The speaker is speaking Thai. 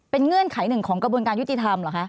เงื่อนไขหนึ่งของกระบวนการยุติธรรมเหรอคะ